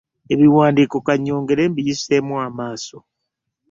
Ebiwandiiko ka nnyongere mbiyiseemu amaaso.